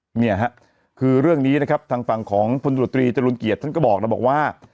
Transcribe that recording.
เนี่ยฮะคือเรื่องนี้นะครับทางฝั่งของพลตรวจตรีจรุลเกียรติท่านก็บอกนะบอกว่า